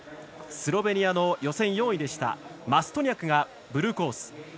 スロベニアの予選４位マストニャクがブルーコース。